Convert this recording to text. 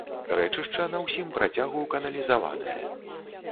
Рэчышча на ўсім працягу каналізаванае.